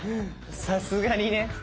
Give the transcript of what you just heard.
さすがにね。